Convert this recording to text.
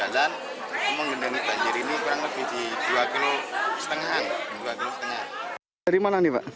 dari tagiah ya